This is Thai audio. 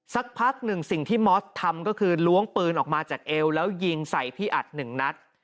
สักพักหนึ่งสิ่งที่มอสทำก็คือล้วงปืนออกมาจากเอวแล้วยิงใส่พี่อัดหนึ่งนัด